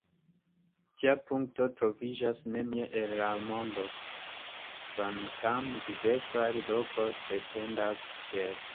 Tia punkto troviĝas nenie en la mondo, kvankam diversaj lokoj pretendas tiel.